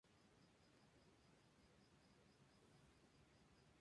En ese año, Matthews apareció en la película "Hudson Hawk", protagonizada por Bruce Willis.